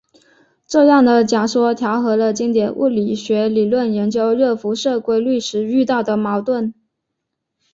这样的假说调和了经典物理学理论研究热辐射规律时遇到的矛盾。